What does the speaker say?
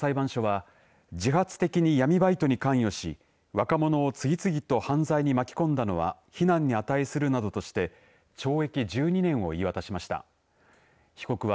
大阪地方裁判所は自発的に闇バイトに関与し若者を次々と犯罪に巻き込んだのは非難に値するなどとして懲役１２年を言い渡しました。